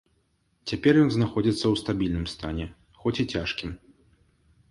Цяпер ён знаходзіцца ў стабільным стане, хоць і цяжкім.